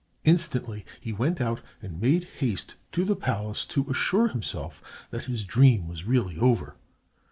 Instantly he went out and made haste to the palace to assure himself that his dream was really over.